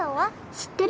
知ってる？